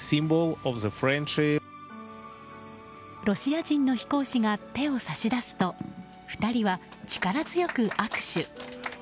ロシア人の飛行士が手を差し出すと２人は力強く握手。